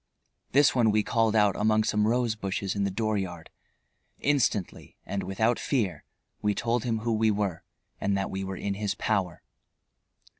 This one we called out among some rose bushes in the dooryard. Instantly, and without fear, we told him who we were and that we were in his power.